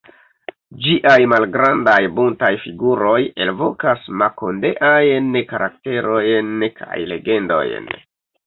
Ĝiaj malgrandaj buntaj figuroj elvokas makondeajn karakterojn kaj legendojn.